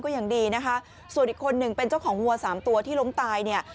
ส่วนอีกคนนึงเป็นเจ้าของหัว๓ตัวที่ล้มตายเนี่ย